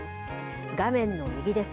画面の右です。